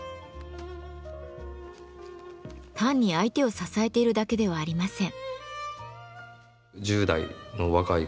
単に相手を支えているだけではありません。